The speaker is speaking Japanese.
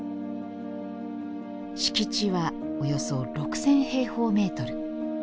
敷地はおよそ６０００平方メートル。